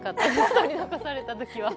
取り残されたときは。